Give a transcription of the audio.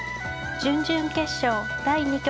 準々決勝第２局。